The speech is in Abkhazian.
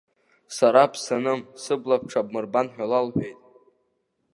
Сара бсаным, сыбла бҽабмырбан ҳәа лалҳәеит.